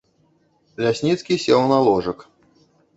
Лясніцкі сеў на ложак.